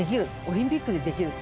オリンピックでできる。